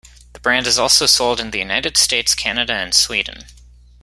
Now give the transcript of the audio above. The brand is also sold in the United States, Canada and Sweden.